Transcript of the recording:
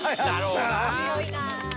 強いなあ。